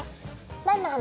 何の話？